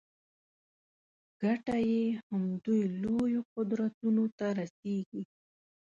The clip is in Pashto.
ګټه یې همدوی لویو قدرتونو ته رسېږي.